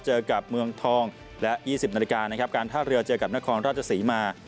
เจอกับเมืองทองและ๒๐นาฬิกานะครับการท่าเรือเจอกับนครราชศรีมา